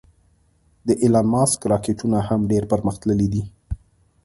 د ایلان ماسک راکټونه هم ډېر پرمختللې دې